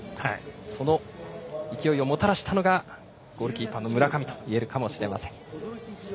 その勢いをもたらしたのがゴールキーパーの村上と言えるかもしれません。